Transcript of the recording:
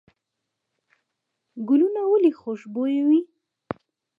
ګلونه ولې خوشبویه وي؟